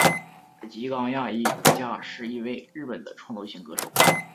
吉冈亚衣加是一位日本的创作型歌手。